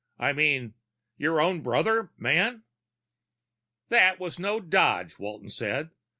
I mean ... your own brother, man?" "That was no dodge," Walton said.